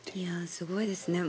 すごいですね。